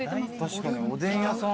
確かにおでん屋さん。